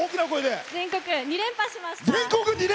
全国２連覇しました！